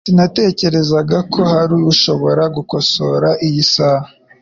Sinatekerezaga ko hari ushobora gukosora iyi saha.